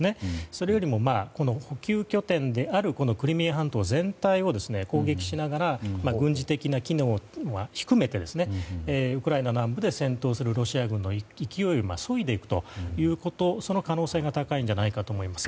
それよりも補給拠点にあるクリミア半島全体を攻撃しながら軍事的な機能は低めてウクライナ南部で戦闘するロシア軍の勢いをそいでいくという可能性が高いのではと思います。